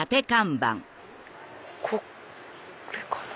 これかな？